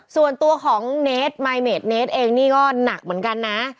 ส่วนตัวของเนสมายเมดเนสเองนี่ก็หนักเหมือนกันนะ